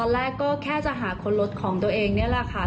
ตอนแรกก็แค่จะหาคนรถของตัวเองเนี้ยล่ะค่ะ